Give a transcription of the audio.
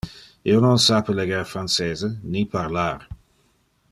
Io non sape leger francese, ni parlar.